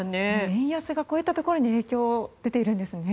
円安がこういったところに影響が出ているんですね。